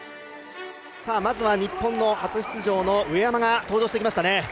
まずは日本の初出場の上山が登場してきましたね。